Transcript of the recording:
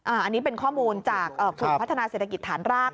อันนี้เป็นข้อมูลจากกลุ่มพัฒนาเศรษฐกิจฐานราก